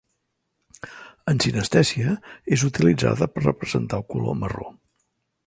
En sinestèsia, és utilitzada per representar el color marró.